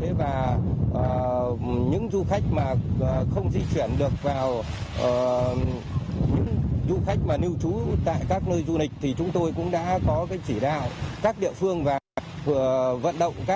thế và những du khách mà không di chuyển được vào những du khách mà lưu trú tại các nơi du lịch thì chúng tôi cũng đã có cái chỉ đạo các địa phương và vừa vận động